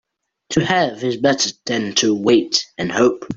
To have is better than to wait and hope.